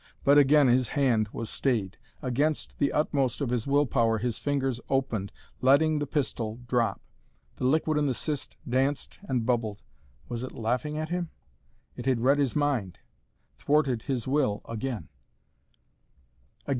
But again his hand was stayed. Against the utmost of his will power his fingers opened, letting the pistol drop. The liquid in the cyst danced and bubbled. Was it laughing at him? It had read his mind thwarted his will again.